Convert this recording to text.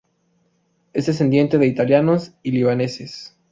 Es descendiente de italianos y libaneses.